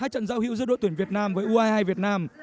hai trận giao hữu giữa đội tuyển việt nam với u hai mươi hai việt nam